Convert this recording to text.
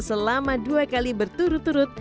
selama dua kali berturut turut